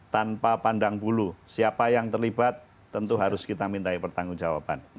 tanpa pandang bulu siapa yang terlibat tentu harus kita minta pertanggung jawaban